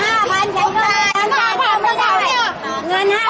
อาหรับเชี่ยวจามันไม่มีควรหยุด